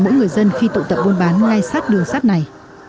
mỗi người dân khi tụ tập buôn bán ngay sát đường sát này